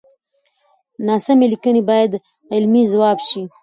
ناسمې ليکنې بايد علمي ځواب شي.